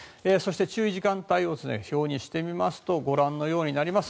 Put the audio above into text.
注意時間帯を表にしてみますとご覧のようになります。